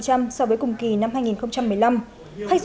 khách du lịch nội địa ước đạt ba mươi hai triệu